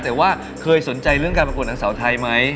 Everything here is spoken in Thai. เครื่องสนใจเรื่องการปรากฎทางสาวทัยมั้ย